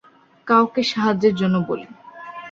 কাউকে সাহায্যের জন্য বলি।